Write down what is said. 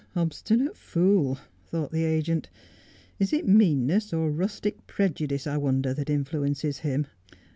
' Obstinate fool,' thought the agent. ' Is it meanness, or rustic prejudice, I wonder, that influences him